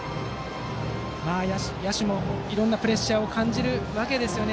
野手もいろいろなプレッシャーを感じるわけですよね。